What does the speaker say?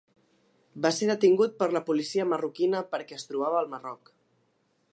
Va ser detingut per la policia marroquina perquè es trobava al Marroc.